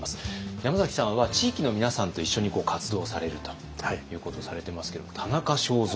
山崎さんは地域の皆さんと一緒に活動されるということをされてますけど田中正造